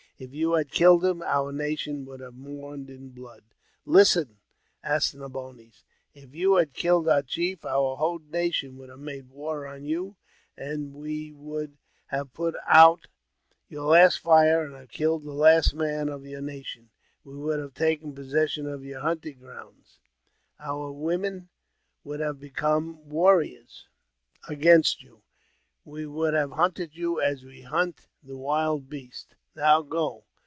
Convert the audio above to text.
If you had killed him, our nation would have mourned in blood. "Listen, As ne boines! If you had killed our chief, our whole nation would have made war on you, and we would have put out your last fire, and have killed the last man of your nation. We would have taken possession of your hunting grounds ; our women would have become warriors against you ; we would have hunted you as we hunt the wild beasts. Now go